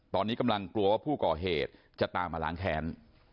ตอนนี้กำลังกลัวว่าผู้ก่อเหตุจะตามมาล้างแค้น